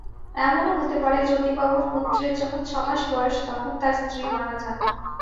এমনও হতে পারে জ্যোতিবাবুর পুত্রের যখন ছমাস বয়স তখন তাঁর স্ত্রী মারা যান।